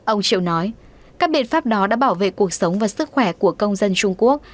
ông triệu nói các biện pháp đó đã bảo vệ cuộc sống và sức khỏe của công dân trung quốc